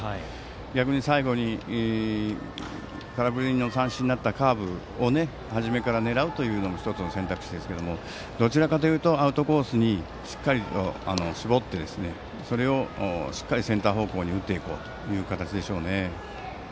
逆に、最後に空振りの三振になったカーブを初めから狙うというのも１つの選択肢ですがどちらかというとアウトコースにしっかりと絞ってそれをしっかりとセンター方向に打っていこうという形でしょうね。